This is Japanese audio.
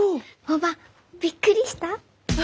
おばぁびっくりした？